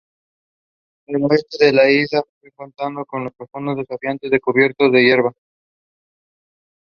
El oeste de la isla está cortado en profundos desfiladeros cubiertos de hierba.